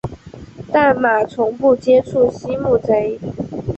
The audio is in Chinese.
但马从不接触溪木贼。